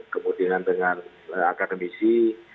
kemudian dengan akademisi